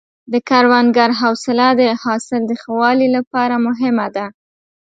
د کروندګر حوصله د حاصل د ښه والي لپاره مهمه ده.